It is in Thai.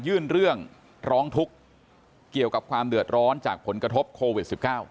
ยื่นเรื่องร้องทุกข์เกี่ยวกับความเดือดร้อนจากผลกระทบโควิด๑๙